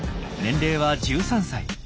年齢は１３歳。